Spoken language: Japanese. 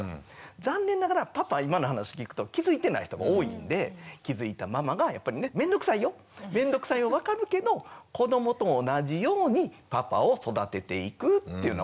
残念ながらパパ今の話聞くと気付いてない人が多いんで気付いたママがやっぱりね面倒くさいよ面倒くさいの分かるけど子どもと同じようにパパを育てていくっていうようなことをね